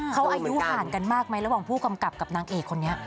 เขาอายุห่างกันมากไหมระหว่างผู้กำกับกับนางเอกคนนี้